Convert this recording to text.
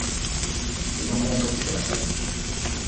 リモコンをとってください